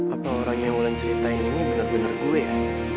apa orang yang mau ceritain ini bener bener gue ya